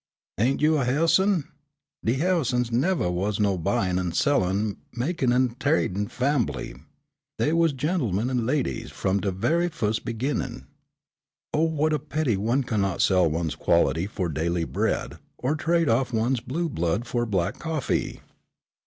Ain't you a Ha'ison? De Ha'isons nevah was no buyin' an' sellin', mekin' an' tradin' fambly. Dey was gent'men an' ladies f'om de ve'y fus' beginnin'." "Oh what a pity one cannot sell one's quality for daily bread, or trade off one's blue blood for black coffee."